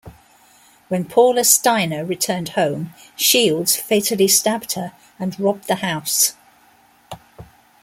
When Paula Steiner returned home, Shields fatally stabbed her and robbed the house.